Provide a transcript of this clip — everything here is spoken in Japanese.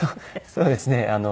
そうですね。